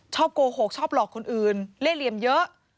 โกหกชอบหลอกคนอื่นเล่เหลี่ยมเยอะ